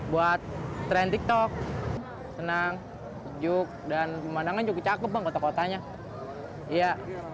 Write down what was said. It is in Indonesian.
buat tren tiktok senang sejuk dan pemandangan cukup cakep bang kota kotanya